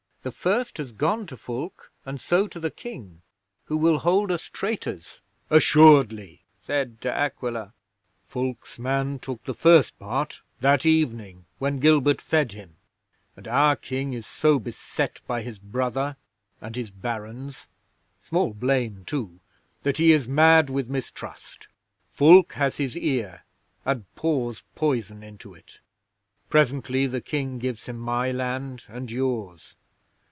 The first has gone to Fulke, and so to the King, who will hold us traitors." "Assuredly," said De Aquila. "Fulke's man took the first part that evening when Gilbert fed him, and our King is so beset by his brother and his Barons (small blame, too!) that he is mad with mistrust. Fulke has his ear, and pours poison into it. Presently the King gives him my land and yours.